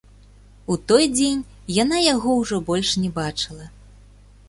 У той дзень яна яго ўжо больш не бачыла.